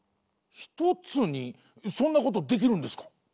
そんなことできるんですか？